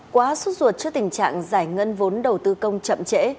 quá xuất ruột trước tình trạng giải ngân vốn đầu tư công chậm trễ